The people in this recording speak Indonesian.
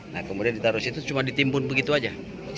nah kemudian ditaruh itu cuma ditimbun begitu saja